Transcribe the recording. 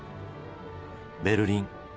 ベルリン。